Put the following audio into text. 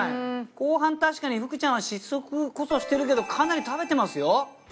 後半たしかに福ちゃんは失速こそしてるけどかなり食べてますよ！